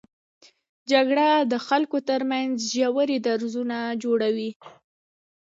جګړه د خلکو تر منځ ژورې درزونه جوړوي